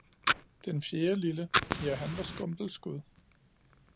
Den fjerde lille, ja han var skumpelskud